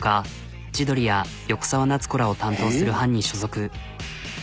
千鳥や横澤夏子らを担当する班に所属。